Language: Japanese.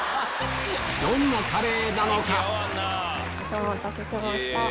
お待たせしました。